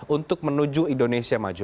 untuk menuju indonesia maju